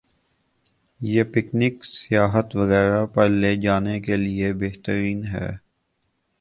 ۔ یہ پکنک ، سیاحت وغیرہ پرلے جانے کے لئے بہترین ہے۔